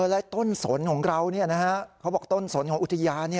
และต้นสนของเราเขาบอกต้นสนของอุทยาน